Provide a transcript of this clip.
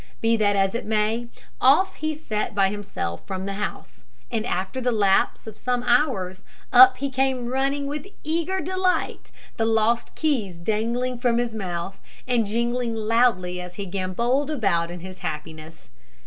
Be that as it may, off he set by himself from the house, and after the lapse of some hours up he came running with eager delight, the lost keys dangling from his mouth, and jingling loudly as he gambolled about in his happiness.